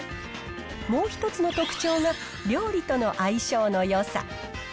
もう一つの特徴が、料理との相性のよさ。